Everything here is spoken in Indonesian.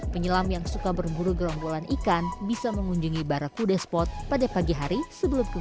penyelam yang suka berburu gerombolan ikan bisa mengunjungi barak kudespot pada pagi hari sebelum ke wundi cave